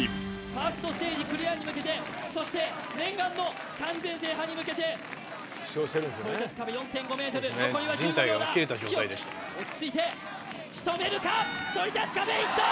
ファーストステージクリアに向けてそして念願の完全制覇に向けてそり立つ壁４．５メートル残りは１５秒だ日置落ち着いてしとめるかそり立つ壁いったー！